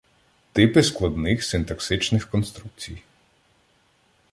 Типи складних синтаксичних конструкцій